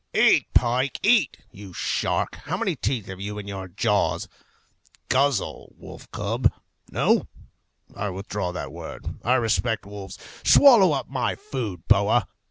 Eat, pike, eat! You shark! how many teeth have you in your jaws? Guzzle, wolf cub; no, I withdraw that word. I respect wolves. Swallow up my food, boa.